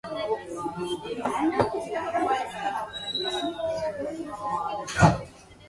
This rare extraction has the power to disperse all malignant humors.